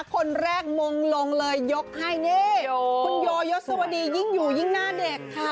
คนแรกมงลงเลยยกให้นี่คุณโยยศวดียิ่งอยู่ยิ่งหน้าเด็กค่ะ